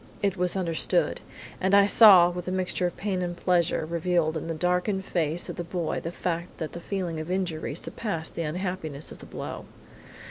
It was understood, and I saw, with a mixture of pain and pleasure, revealed in the darkened face of this boy the fact that the feeling of injury surpassed the unhappiness of the blow.